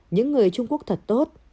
những người trung quốc thật tốt